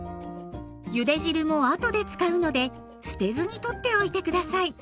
ゆで汁も後で使うので捨てずにとっておいて下さい。